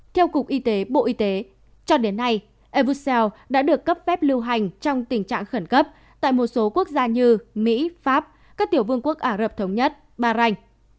theo cục y tế bộ y tế cho đến nay evusel đã được cấp phép lưu hành trong tình trạng khẩn cấp tại một số quốc gia như mỹ pháp các tiểu vương quốc ả rập thống nhất bahrain